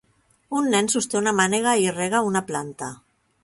Un nen sosté una mànega i rega una planta.